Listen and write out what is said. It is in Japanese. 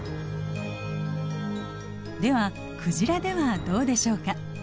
ではクジラではどうでしょうか。